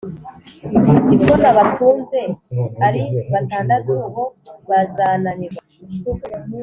ati: “Ko nabatunze ari batandatu, bo bazananirwa